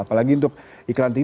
apalagi untuk iklan iklan yang banyak